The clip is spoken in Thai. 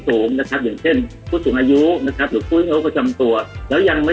สูงนะครับเช่นผู้สูงอายุหรือผู้ยกประชามตัวแล้วยังไม่